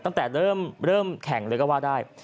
ตั้งแต่เริ่มแข่งเลยก็ว่าได้